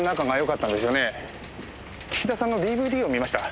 岸田さんのＤＶＤを見ました。